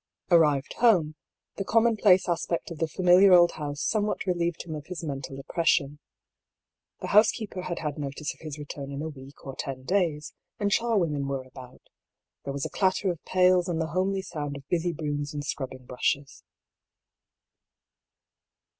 Arrived home, the commonplace aspect of the famil iar old house somewhat relieved him of his mental op pression. The housekeeper had had notice of his return in a week or ten days, and charwomen were about ; there was a clatter of pails and the homely sound of busy brooms and scrubbing brushes.